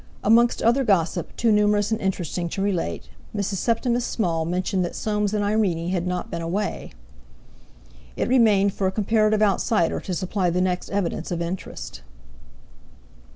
Amongst other gossip, too numerous and interesting to relate, Mrs. Septimus Small mentioned that Soames and Irene had not been away. It remained for a comparative outsider to supply the next evidence of interest.